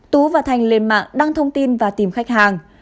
tú và thành lên mạng đăng thông tin và tìm khách hàng